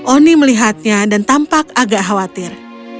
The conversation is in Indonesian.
oni melihatnya dan tampak agak khawatir